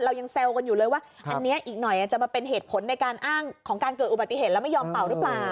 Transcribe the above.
เรายังแซวกันอยู่เลยว่าอันนี้อีกหน่อยอาจจะมาเป็นเหตุผลในการอ้างของการเกิดอุบัติเหตุแล้วไม่ยอมเป่าหรือเปล่า